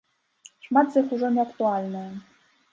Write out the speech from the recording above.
Шмат з іх ужо неактуальныя.